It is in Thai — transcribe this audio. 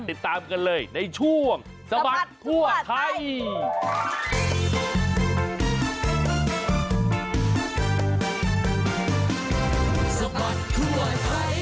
ติดตามกันเลยในช่วงสบัดทั่วไทย